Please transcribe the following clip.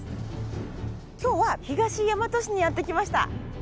今日は東大和市にやって来ました。